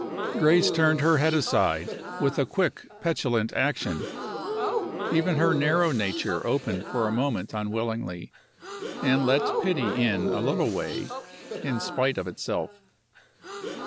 Grace turned her head aside, with a quick, petulant action. Even her narrow nature opened for a moment unwillingly, and let pity in a little way, in spite of itself.